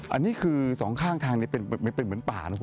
อันนี้คือสองข้างทั้งเป็นเหมือนป่า